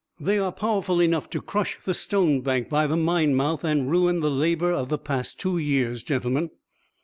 They are powerful enough to crush the stone bank by the mine mouth and ruin the labors of the past two years, gentlemen."